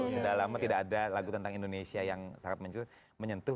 sudah lama tidak ada lagu tentang indonesia yang sangat menyentuh